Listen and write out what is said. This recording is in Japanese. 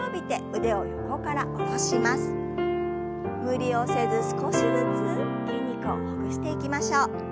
無理をせず少しずつ筋肉をほぐしていきましょう。